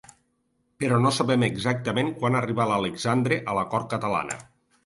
Però no sabem exactament quan arribà l'Alexandre a la Cort catalana.